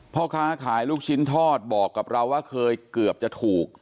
พ่อค้าขายลูกชิ้นทอดบอกกับเราว่าเคยเกือบจะถูก